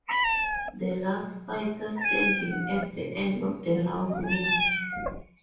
The last fighter standing at the end of the round wins.